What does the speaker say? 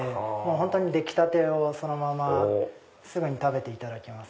本当に出来たてをそのまますぐに食べていただけます。